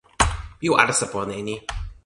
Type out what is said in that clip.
mi o alasa pona e ni.